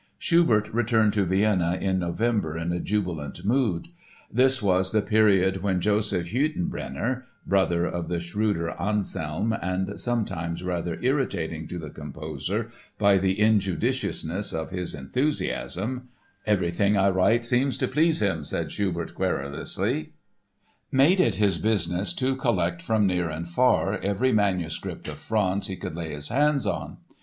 Schubert returned to Vienna in November in a jubilant mood. This was the period when Josef Hüttenbrenner—brother of the shrewder Anselm and sometimes rather irritating to the composer by the injudiciousness of his enthusiasm ("Everything I write seems to please him," said Schubert querulously)—made it his business to collect from near and far every manuscript of Franz he could lay his hands on.